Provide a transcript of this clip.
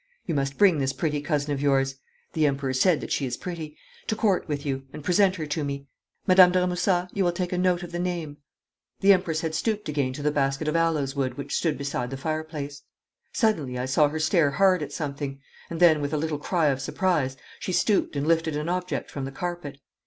You must bring this pretty cousin of yours the Emperor said that she is pretty to Court with you, and present her to me. Madame de Remusat, you will take a note of the name.' The Empress had stooped again to the basket of aloes wood which stood beside the fireplace. Suddenly I saw her stare hard at something, and then, with a little cry of surprise, she stooped and lifted an object from the carpet.